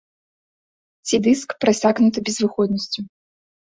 Ці дыск, прасякнуты безвыходнасцю.